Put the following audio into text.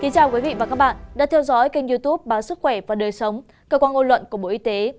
chào các bạn đã theo dõi kênh youtube báo sức khỏe và đời sống cơ quan ngôn luận của bộ y tế